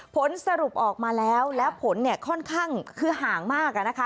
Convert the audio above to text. ผลสรุปออกมาแล้วแล้วผลเนี่ยค่อนข้างคือห่างมากนะคะ